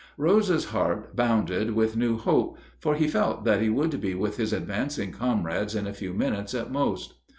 Rose's heart bounded with new hope, for he felt that he would be with his advancing comrades in a few minutes at most.